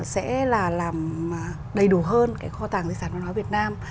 sẽ là làm đầy đủ hơn cái kho tàng di sản văn hóa việt nam